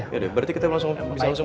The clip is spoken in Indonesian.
ya udah berarti kita langsung bisa masuk ya